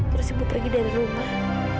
terus ibu pergi dari rumah